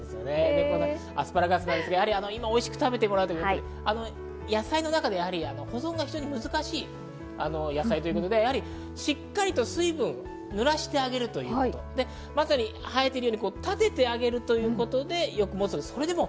アスパラガスですが、今おいしく食べてもらう野菜の中で保存が難しい野菜ということでしっかりと水分、濡らしてあげるということ、まさに生えているように立ててあげるということでよくもつそうです。